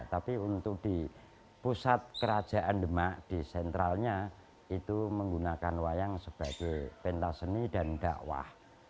tapi untuk di pusat kerajaan demak di sentralnya itu menggunakan wayang sebagai pentas seni dan dakwah